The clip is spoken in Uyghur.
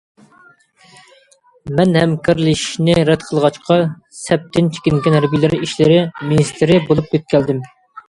مەن« ھەمكارلىشىشنى» رەت قىلغاچقا سەپتىن چېكىنگەن ھەربىيلەر ئىشلىرى مىنىستىرى بولۇپ يۆتكەلدىم.